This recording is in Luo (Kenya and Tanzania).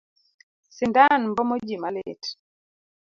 Sindan mbomo ji malit.